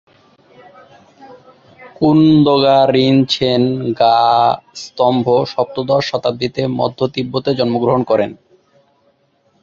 কুন-দ্গা'-রিন-ছেন-র্গ্যা-ম্ত্শো সপ্তদশ শতাব্দীতে মধ্য তিব্বতে জন্মগ্রহণ করেন।